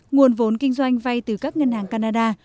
nguồn vốn kinh doanh vay từ các ngân hàng canada